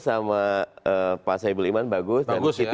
sama pak saebul iman bagus